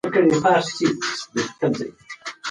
هغه سړی چې پر کټ پروت دی ډېر ستړی دی.